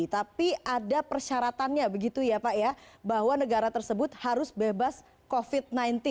tapi ada persyaratannya begitu ya pak ya bahwa negara tersebut harus bebas covid sembilan belas